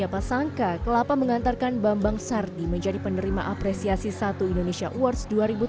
siapa sangka kelapa mengantarkan bambang sardi menjadi penerima apresiasi satu indonesia awards dua ribu tujuh belas